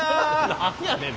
何やねん。